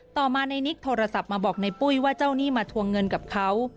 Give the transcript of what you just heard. ต่อมาในนิกโทรศัพท์มาบอกในปุ้ยว่าเจ้าหนี้มาทวงเงินกับเขา